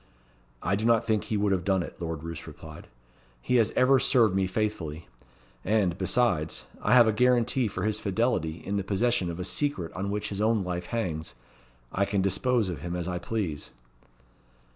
"I do not think he would have done it," Lord Roos replied. "He has ever served me faithfully; and, besides, I have a guarantee for his fidelity in the possession of a secret on which his own life hangs. I can dispose of him as I please."